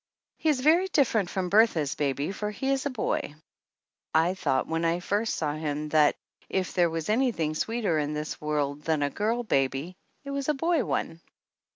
He is very different from Bertha's baby, for he is a boy. I thought when I first saw him that if there was anything sweeter in this world than a girl baby it is a boy one